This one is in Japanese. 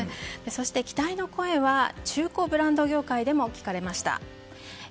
そして、期待の声は中古ブランド業界でも聞かれました。